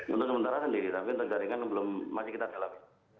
untuk sementara sendiri tapi jaringan masih kita telah